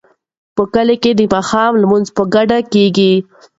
په کلي کې د ماښام لمونځ په ګډه کیږي.